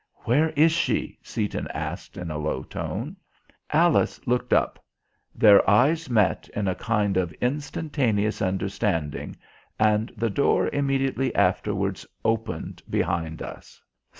"Where is she?" Seaton asked in a low tone. Alice looked up; their eyes met in a kind of instantaneous understanding, and the door immediately afterwards opened behind us.